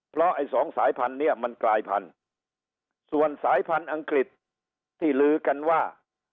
เพราะไอ้สองสายพันธุ์เนี่ยมันกลายพันธุ์ส่วนสายพันธุ์อังกฤษที่ลือกันว่า